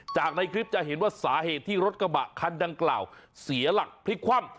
ในคลิปจะเห็นว่าสาเหตุที่รถกระบะคันดังกล่าวเสียหลักพลิกคว่ำ